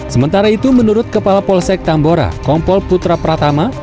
sementara itu menurut kepala polsek tambora kompol putra pratama